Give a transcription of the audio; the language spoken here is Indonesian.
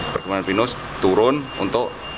perkembangan pinus turun untuk